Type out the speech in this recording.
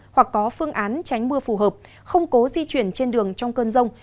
hoặc có phương án tránh mưa phù hợp không cố di chuyển trên đường trong cơn rông